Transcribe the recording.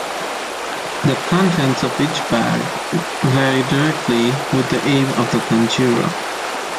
The contents of each bag vary directly with the aim of the conjurer.